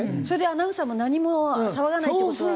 それでアナウンサーも何も騒がないって事は。